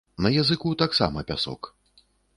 На языку таксама пясок.